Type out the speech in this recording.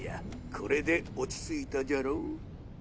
これで落ち着いたじゃろう？